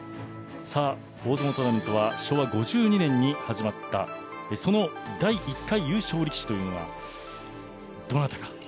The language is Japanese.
大相撲トーナメントは昭和５２年に始まったその第１回優勝力士というのはどなたか。